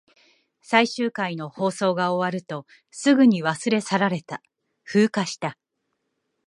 最終回の放送が終わると、すぐに忘れ去られた。風化した。